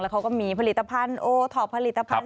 แล้วเขาก็มีผลิตภัณฑ์ถอดผลิตภัณฑ์